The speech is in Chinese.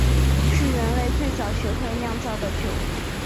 是人类最早学会酿造的酒。